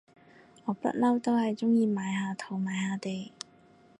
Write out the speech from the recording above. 我不嬲都係中意買下土買下地